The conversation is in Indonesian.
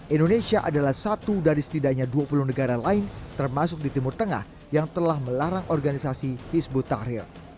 indonesia adalah satu dari setidaknya dua puluh negara lain termasuk di timur tengah yang telah melarang organisasi hizbut tahrir